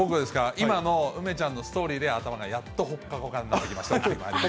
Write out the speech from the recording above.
今の梅ちゃんのストーリーで頭がやっとほっかほかになってきました。